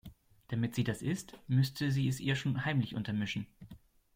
Damit sie das isst, müsste sie es ihr schon heimlich untermischen.